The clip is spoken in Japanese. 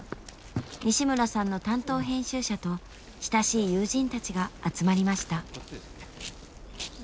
西村さんの担当編集者と親しい友人たちが集まりました。